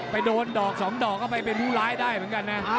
ไปโดนดอกสองดอกก็ไปเป็นผู้ร้ายได้เหมือนกันนะ